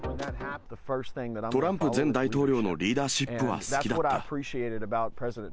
トランプ前大統領のリーダーシップは好きだった。